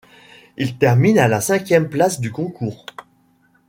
Il termine à la cinquième place du concours.